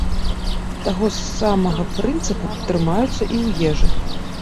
Таго самага прынцыпу трымаюцца і ў ежы.